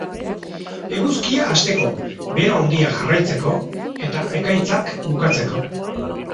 Eguzkia hasteko, bero handia jarraitzeko eta ekaitzak bukatzeko.